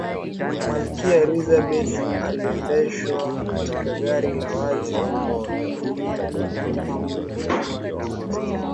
malkia elizabeth aliendeshwa katika gari la wazi kuuzunguza mji wa windsor